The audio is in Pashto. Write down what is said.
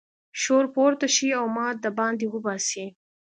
شور پورته شي او ما د باندې وباسي.